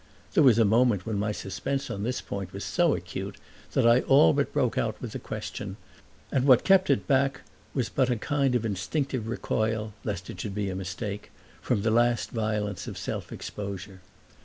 There was a moment when my suspense on this point was so acute that I all but broke out with the question, and what kept it back was but a kind of instinctive recoil (lest it should be a mistake), from the last violence of self exposure.